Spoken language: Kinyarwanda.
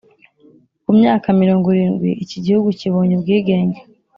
Kumyaka mirongo irindwi icyi gihugu kibonye ubwigenge